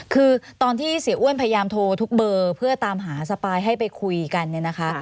คือตอนที่เสียอ้วนพยายามโทรทุกเบอร์เพื่อตามหาสปายให้ไปคุยกันเนี่ยนะคะ